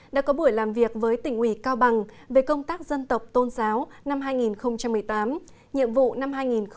đã có buổi làm việc với tỉnh ủy cao bằng về công tác dân tộc tôn giáo năm hai nghìn một mươi tám nhiệm vụ năm hai nghìn một mươi chín